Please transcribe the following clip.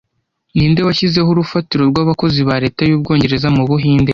Ninde washyizeho urufatiro rw'abakozi ba Leta y'Ubwongereza mu Buhinde